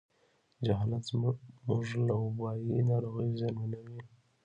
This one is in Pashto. جهالت موږ له وبایي ناروغیو زیانمنوي.